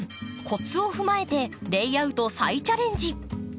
コツを踏まえてレイアウト再チャレンジ。